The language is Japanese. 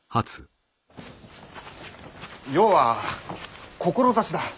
要は志だ。